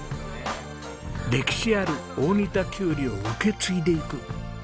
歴史ある大荷田きゅうりを受け継いでいく。